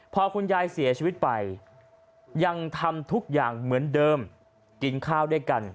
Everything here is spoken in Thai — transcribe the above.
พอคุณยายเสียชีวิตไปยังทำทุกอย่างเหมือนเดิมกินข้าวด้วยกัน